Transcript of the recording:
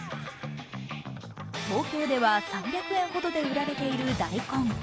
東京では３００円ほどで売られている大根